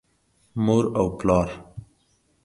مور او پلار